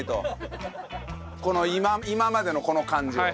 この今までのこの感じを。